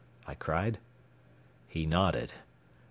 I cried. He nodded.